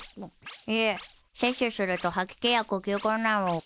いえ摂取すると吐き気や呼吸困難を起こします。